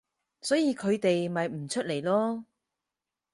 所以佢哋咪唔出嚟囉